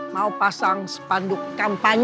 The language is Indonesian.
mau pasang sepanduk kampanye